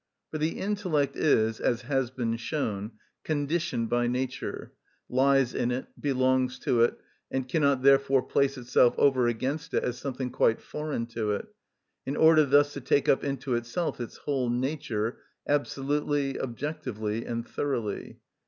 For the intellect is, as has been shown, conditioned by nature, lies in it, belongs to it, and cannot therefore place itself over against it as something quite foreign to it, in order thus to take up into itself its whole nature, absolutely, objectively, and thoroughly.